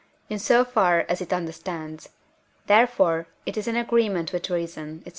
in so far as it understands; therefore, it is in agreement with reason, &c.